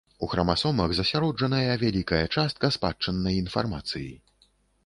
У храмасомах засяроджаная вялікая частка спадчыннай інфармацыі.